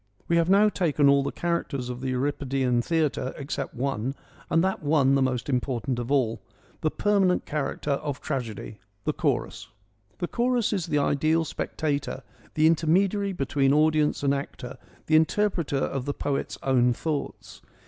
We have now taken all the characters of the Euripidean theatre, except one, and that one the most important of all — the permanent character of tragedy, the chorus. The chorus is the ideal spectator, the intermediary between audience and actor, the interpreter of the poet's own thoughts.